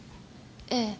ええ。